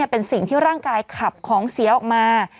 เป็นสิ่งที่ร่างกายขับของเสียออกมา